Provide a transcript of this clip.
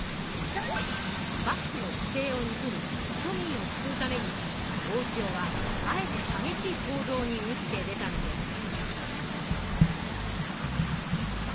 幕府の不正を憎み庶民を救うために大塩はあえてはげしい行動に打って出たのです。